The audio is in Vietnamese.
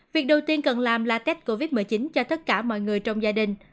việc đầu tiên cần làm là test covid một mươi chín cho tất cả mọi người